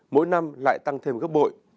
mỗi năm lại tăng thêm gấp bội